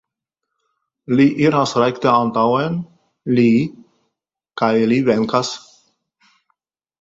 Li iras rekte antaŭen, li, kaj li venkas!